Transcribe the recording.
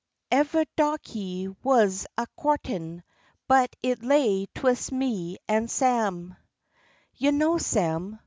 Eveh darkey wuz a co'tin, but it lay 'twix me an' Sam. You know Sam.